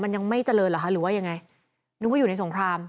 มันยังไม่เจริญเหรอคะหรือว่ายังไงนึกว่าอยู่ในสงคราม